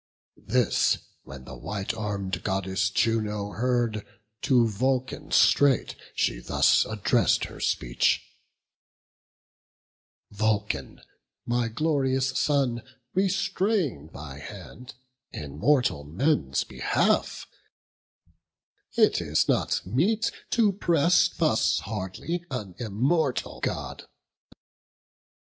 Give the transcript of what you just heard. This when the white arm'd Goddess Juno heard, To Vulcan straight she thus address'd her speech: "Vulcan, my glorious son, restrain thy hand: In mortal men's behalf, it is not meet To press thus hardly an Immortal God."